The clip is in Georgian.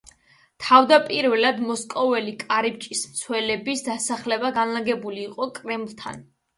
თავდაპირველად მოსკოველი კარიბჭის მცველების დასახლება განლაგებული იყო კრემლთან.